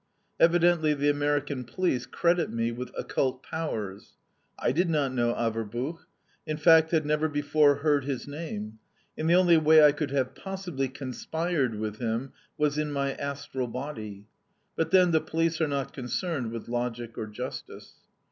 Evidently the American police credit me with occult powers. I did not know Averbuch; in fact, had never before heard his name, and the only way I could have possibly "conspired" with him was in my astral body. But, then, the police are not concerned with logic or justice.